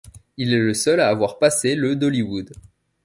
Il est le seul à avoir passé le d'Hollywood.